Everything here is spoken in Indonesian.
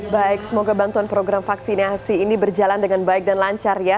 baik semoga bantuan program vaksinasi ini berjalan dengan baik dan lancar ya